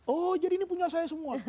oh jadi ini punya saya semua